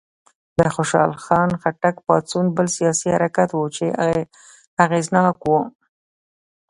د خوشحال خان خټک پاڅون بل سیاسي حرکت و چې اغېزناک و.